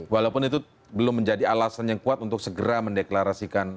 walaupun itu belum menjadi alasan yang kuat untuk segera mendeklarasikan